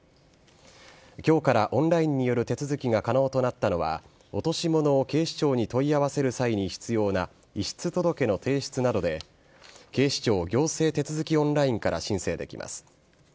きょうからオンラインによる手続きが可能となったのは、落とし物を警視庁に問い合わせる際に必要な遺失届の提出などで、警視庁行政手続オンラインから申請できます。